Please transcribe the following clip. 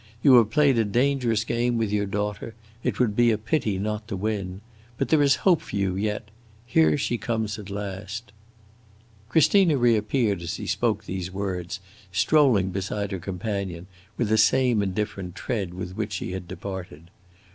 "You have played a dangerous game with your daughter; it would be a pity not to win. But there is hope for you yet; here she comes at last!" Christina reappeared as he spoke these words, strolling beside her companion with the same indifferent tread with which she had departed.